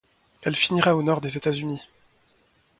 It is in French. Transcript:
Elle finira au nord des États-Unis.